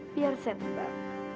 biar saya tebak